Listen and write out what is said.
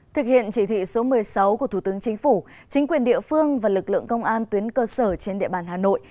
thực hiện chỉ thị số một mươi sáu của thủ tướng chính phủ chính quyền địa phương và lực lượng công an tuyến cơ sở trên địa bàn hà nội